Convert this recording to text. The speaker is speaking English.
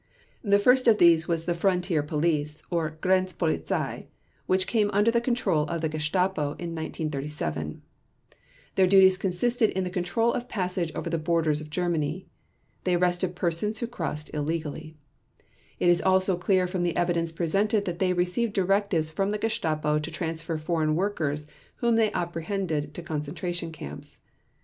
The first of these was the Frontier Police or Grenzpolizei which came under the control of the Gestapo in 1937. Their duties consisted in the control of passage over the borders of Germany. They arrested persons who crossed illegally. It is also clear from the evidence presented that they received directives from the Gestapo to transfer foreign workers whom they apprehended to concentration camps.